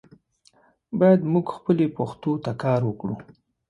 باید مونږ خپلې پښتو ته کار وکړو.